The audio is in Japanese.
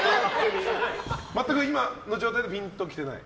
全く、今の状態ではピンときてない？